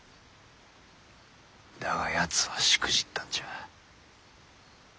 だがやつはしくじったんじゃ。